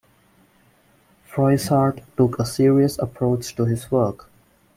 Froissart took a serious approach to his work.